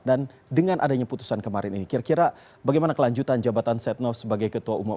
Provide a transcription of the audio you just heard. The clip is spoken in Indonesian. dan dengan adanya putusan kemarin ini kira kira bagaimana kelanjutan jabatan setno sebagai ketua umum